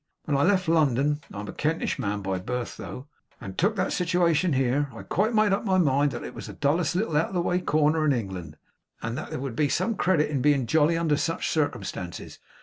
When I left London (I'm a Kentish man by birth, though), and took that situation here, I quite made up my mind that it was the dullest little out of the way corner in England, and that there would be some credit in being jolly under such circumstances.